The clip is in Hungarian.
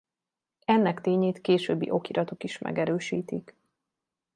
Ennek tényét későbbi okiratok is megerősítik.